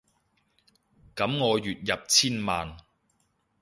噉我月入千萬